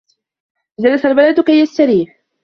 جَلَسَ الْوَلَدُ كَيْ يَسْتَرِيحَ.